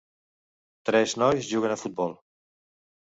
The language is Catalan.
Tres nois juguen a futbol.